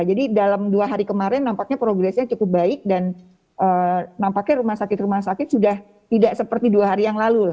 jadi dalam dua hari kemarin nampaknya progresnya cukup baik dan nampaknya rumah sakit rumah sakit sudah tidak seperti dua hari yang lalu